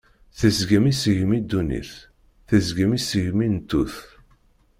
Tesgem isegmi dunnit, tesgem isegmi n ttut.